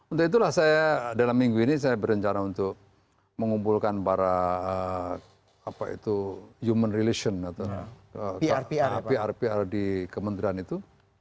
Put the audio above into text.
untuk itulah saya dalam minggu ini saya berencana untuk mengumpulkan para human relation atau pr pr di kementerian itu